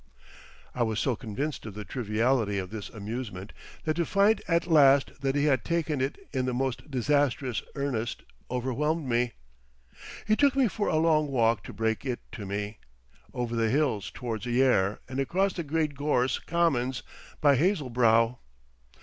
I was so convinced of the triviality of this amusement that to find at last that he had taken it in the most disastrous earnest overwhelmed me. He took me for a long walk to break it to me, over the hills towards Yare and across the great gorse commons by Hazelbrow.